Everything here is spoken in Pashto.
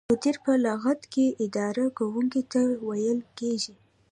مدیر په لغت کې اداره کوونکي ته ویل کیږي.